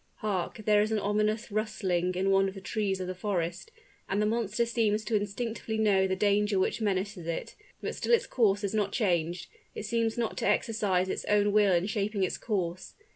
Hark, there is an ominous rustling in one of the trees of the forest; and the monster seems to instinctively know the danger which menaces it. But still its course is not changed; it seems not to exercise its own will in shaping its course.